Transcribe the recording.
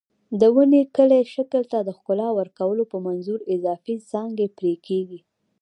د ونې کلي شکل ته د ښکلا ورکولو په منظور اضافي څانګې پرې کېږي.